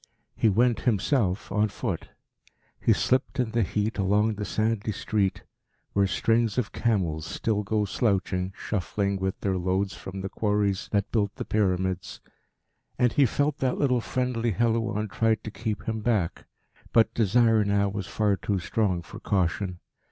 He went himself on foot. He slipped in the heat along the sandy street, where strings of camels still go slouching, shuffling with their loads from the quarries that built the pyramids, and he felt that little friendly Helouan tried to keep him back. But desire now was far too strong for caution.